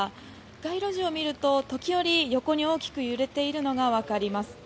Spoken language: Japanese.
街路樹を見ると時折横に大きく揺れているのがわかります。